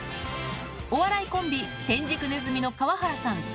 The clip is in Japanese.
お笑いコンビ、天竺鼠の川原さん。